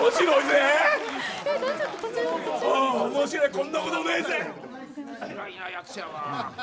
こんなことねえぜ！